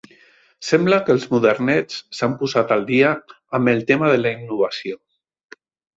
Sembla que els modernets s'han posat al dia amb el tema de la innovació.